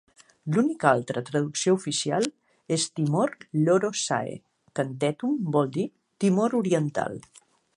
L'única altra traducció oficial és "Timor Loro'sae", que en tetum vol dir "Timor Oriental".